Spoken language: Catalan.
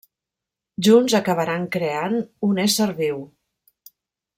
Junts, acabaran creant un ésser viu.